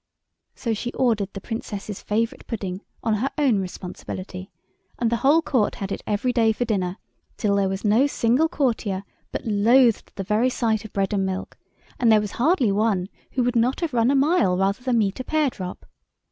So she ordered the Princess's favourite pudding on her own responsibility, and the whole Court had it every day for dinner, till there was no single courtier but loathed the very sight of bread and milk, and there was hardly one who would not have run a mile rather than meet a pear drop.